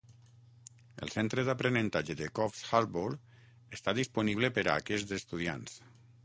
El Centre d'aprenentatge de Coffs Harbour està disponible per a aquests estudiants.